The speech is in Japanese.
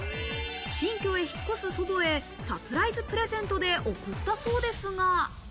新居へ引っ越す祖母へサプライズプレゼントで贈ったそうですが。